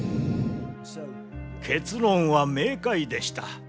結論は明快でした。